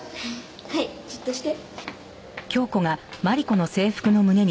はいじっとして。